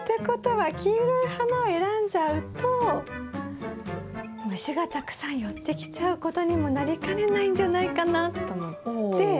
ことは黄色い花を選んじゃうと虫がたくさん寄ってきちゃうことにもなりかねないんじゃないかなと思って。